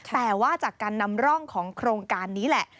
แต่ว่าจากการนำร่องของโครงการนี้แหละ